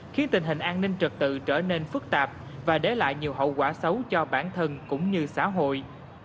khiến tình hình an ninh trật tự trở nên phức tạp và để lại nhiều hậu quả xấu cho bản thân cũng như xã hội